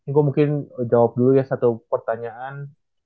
gue mungkin jawab dulu ya satu pertanyaan